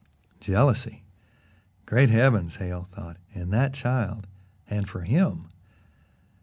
Jealousy! Great heavens Hale thought in that child, and for him!